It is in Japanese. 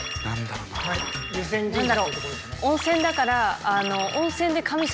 何だろう温泉だから。